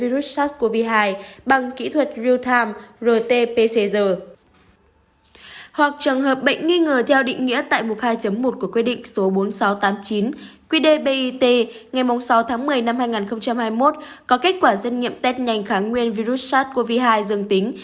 cụ thể ca bệnh là trường hợp bệnh nghi ngờ theo định nghĩa tại mục hai một của quy định số bốn nghìn sáu trăm tám mươi chín quy đề bit ngày sáu tháng một mươi năm hai nghìn hai mươi một có kết quả xét nghiệm test nhanh kháng nguyên virus sars cov hai dương tính